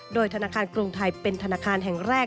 โดยธนาคารกรุงไทยเป็นธนาคารแห่งแรก